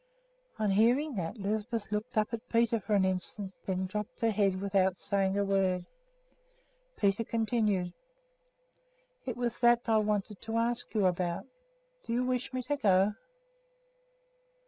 On hearing that Lisbeth looked up at Peter for an instant, then drooped her head again without saying a word. Peter continued: "It was that I wanted to ask you about. Do you wish me to go?"